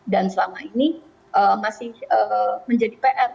dan selama ini masih menjadi pr